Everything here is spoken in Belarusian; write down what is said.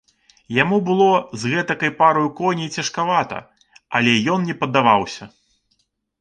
Яму было з гэтакай параю коней цяжкавата, але ён не паддаваўся.